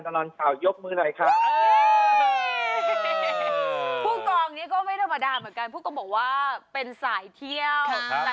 สวัสดีครับสวัสดีครับสวัสดีครับสวัสดีครับสวัสดีครับ